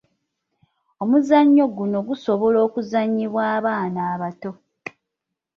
Omuzannyo guno gusobola okuzannyibwa abaana abato.